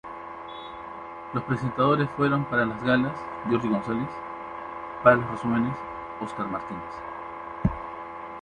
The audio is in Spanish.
Los presentadores fueron para las Galas Jordi González, para los Resúmenes Óscar Martínez.